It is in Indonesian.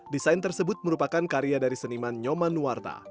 desain tersebut merupakan karya dari seniman nyomanuarta